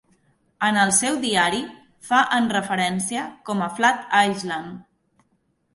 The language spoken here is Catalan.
En el seu diari fa en referència com a Flat Island.